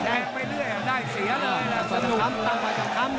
คำแทงไปเรื่อยอ่ะได้เสียเลยอ่ะ